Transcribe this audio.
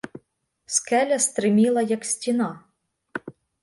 Скеля стриміла, як стіна.